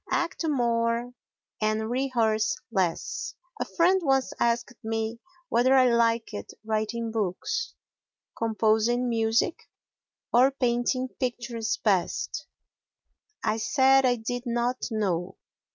Act more and rehearse less." A friend once asked me whether I liked writing books, composing music or painting pictures best. I said I did not know.